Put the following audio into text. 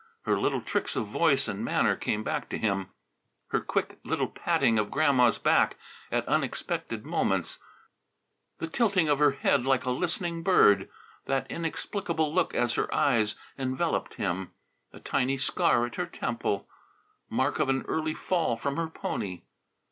Her little tricks of voice and manner came back to him, her quick little patting of Grandma's back at unexpected moments, the tilting of her head like a listening bird, that inexplicable look as her eyes enveloped him, a tiny scar at her temple, mark of an early fall from her pony.